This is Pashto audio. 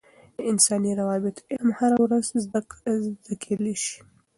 د انساني روابطو علم هره ورځ زده کیدلای سي.